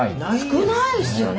少ないですよね。